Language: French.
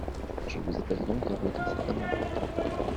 Je vous appelle donc à voter cet amendement.